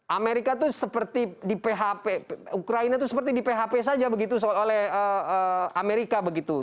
amerika itu seperti di php ukraina itu seperti di php saja begitu oleh amerika begitu